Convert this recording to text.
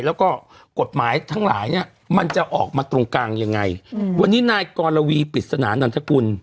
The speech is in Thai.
แล้วก็กฎหมายทั้งหลายเนี้ยมันจะออกมาตรงกลางยังไงอืมวันนี้นายกรวีปริศนานันทกุล